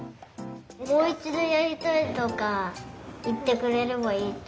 もういちどやりたいとかいってくれればいいと。